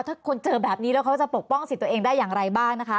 ถ้าคนเจอแบบนี้แล้วเขาจะปกป้องสิทธิ์ตัวเองได้อย่างไรบ้างนะคะ